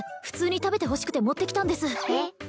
普通に食べてほしくて持ってきたんですえっ？